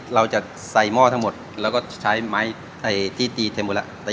เราจะใส่หม้อทั้งหมดแล้วก็ใช้ไม้ที่ตีเต็มหมดแล้ว